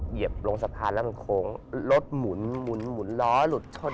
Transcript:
เหยียบลงสะพานแล้วมันโค้งรถหมุนล้อหลุดชน